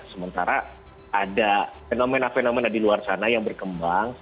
sementara ada fenomena fenomena di luar sana yang berkembang